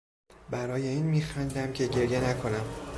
برای این میخندم که گریه نکنم!